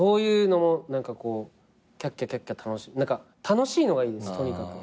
楽しいのがいいですとにかく。